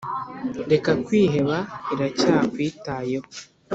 Reka kwiheba iracyakwitayeho